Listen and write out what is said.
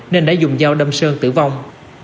nên đã dùng dao đâm sơn tử vong